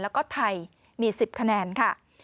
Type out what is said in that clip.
แล้วก็ไทยมี๑๐คะแนนค่ะ